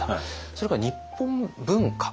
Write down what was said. それから日本文化